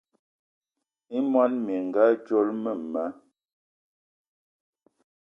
I món menga dzolo mema